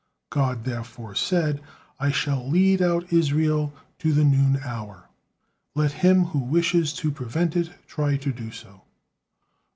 God therefore said: "I shall lead out Israel to the noon hour. Let him who wishes to prevent it try to do so."